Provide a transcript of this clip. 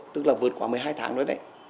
tức là vượt qua mười hai tháng rồi đấy